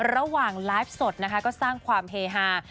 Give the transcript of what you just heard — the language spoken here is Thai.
ระหว่างไลฟ์สดนะคะก็สร้างความเฮฮา